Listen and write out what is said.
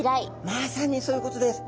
まさにそういうことです。